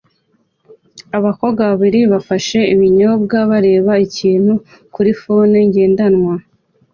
Abakobwa babiri bafashe ibinyobwa bareba ikintu kuri terefone ngendanwa